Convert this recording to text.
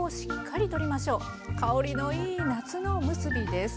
香りのいい夏のおむすびです。